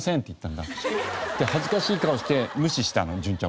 で恥ずかしい顔して無視したの潤ちゃん